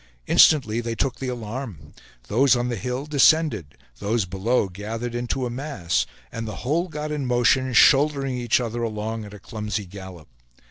Instantly they took the alarm; those on the hill descended; those below gathered into a mass, and the whole got in motion, shouldering each other along at a clumsy gallop.